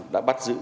đã bắt giữ